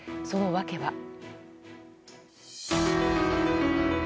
その訳は。